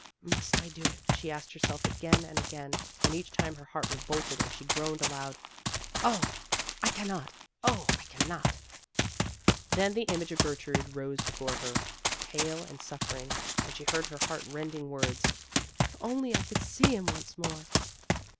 "Must I do it?" she asked herself again and again, and each time her heart revolted and she groaned aloud, "I cannot, oh, I cannot!" Then the image of Gertrude rose before her, pale and suffering, and she heard her heart rending words, "If I could only see him once more!"